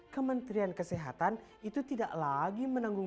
kementerian kesehatan itu tidak lagi menanggung